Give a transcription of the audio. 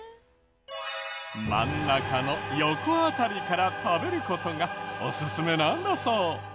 真ん中の横辺りから食べる事がオススメなんだそう。